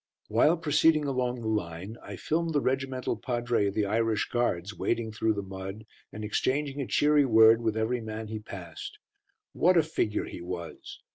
While proceeding along the line, I filmed the regimental padre of the Irish Guards wading through the mud and exchanging a cheery word with every man he passed. What a figure he was!